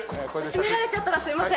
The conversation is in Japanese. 絞められちゃったらすいません。